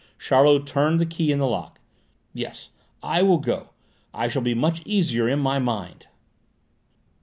Charlot turned the key in the lock. "Yes, I will go. I shall be much easier in my mind!"